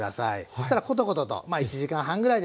そしたらコトコトとまあ１時間半ぐらいですね